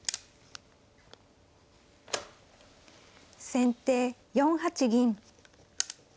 先手４八銀。